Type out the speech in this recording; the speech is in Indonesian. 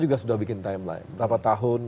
juga sudah bikin timeline berapa tahun